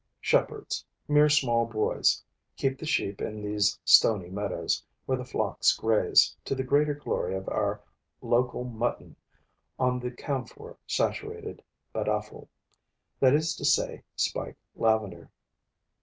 Shepherds mere small boys keep the sheep in these stony meadows, where the flocks graze, to the greater glory of our local mutton, on the camphor saturated badafo, that is to say, spike lavender.